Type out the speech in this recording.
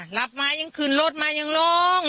หลับมายังขึ้นรถมายังร้อง